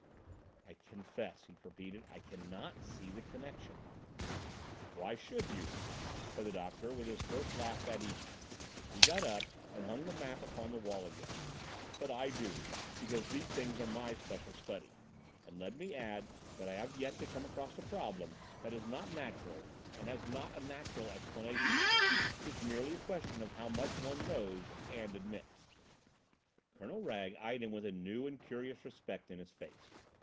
"I confess," he repeated, "I cannot see the connection." "Why should you?" said the doctor, with his first laugh that evening. He got up and hung the map upon the wall again. "But I do—because these things are my special study—and let me add that I have yet to come across a problem that is not natural, and has not a natural explanation. It's merely a question of how much one knows—and admits." Colonel Wragge eyed him with a new and curious respect in his face.